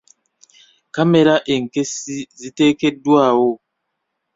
Kkamera enkessi ziteekeddwawo.